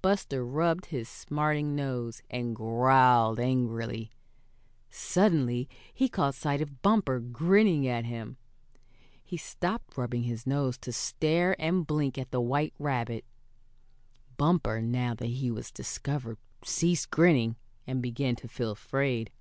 Buster rubbed his smarting nose, and growled angrily. Suddenly he caught sight of Bumper grinning at him. He stopped rubbing his nose to stare and blink at the white rabbit. Bumper, now that he was discovered, ceased grinning, and began to feel afraid.